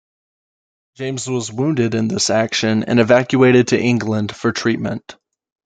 James was wounded in this action and evacuated to England for treatment.